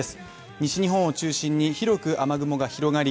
西日本を中心に広く雨雲が広がり